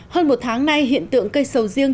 hơn một tháng nay hiện tượng cây sầu riêng